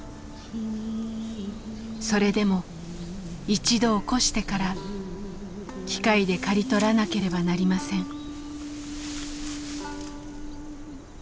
それでも一度起こしてから機械で刈り取らなければなりません。